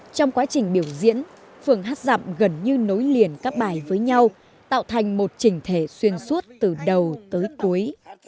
trong quá trình biểu diễn phường hát dậm gần như nối liền các bài với nhau tạo thành một chỉnh thể xuyên suốt từ đầu tới cuối